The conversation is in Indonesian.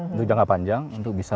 untuk jangka panjang untuk bisa